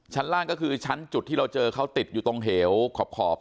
ชั้นล่างก็คือชั้นจุดที่เราเจอเขาติดอยู่ตรงเหวขอบ